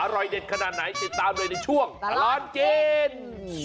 อร่อยเด็ดขนาดไหนติดตามเลยในช่วงตลอดกิน